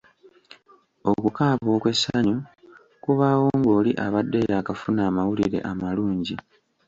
Okukaaba okw’essanyu kubaawo ng’oli abadde yaakafuna amawulire amalungi.